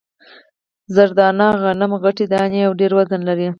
زر دانه غنم غټې دانې او ډېر وزن لري.